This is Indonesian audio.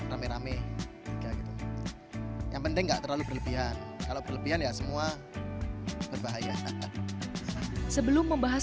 rame rame tiga gitu yang penting enggak terlalu berlebihan kalau berlebihan ya semua berbahaya sebelum membahas